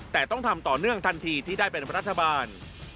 แต่ต้องทำต่อเนื่องทันทีที่ได้เป็นรัฐบาล